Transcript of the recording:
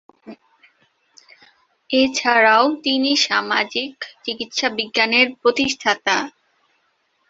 এছাড়াও তিনি সামাজিক চিকিৎসাবিজ্ঞানের প্রতিষ্ঠাতা।